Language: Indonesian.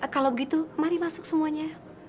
kalau begitu mari masuk semuanya